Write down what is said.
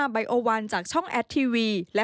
ใบโอวันจากช่องแอดทีวี